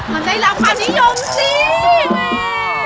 มันได้รับความนิยมสิแม่